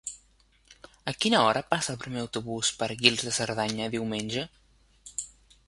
A quina hora passa el primer autobús per Guils de Cerdanya diumenge?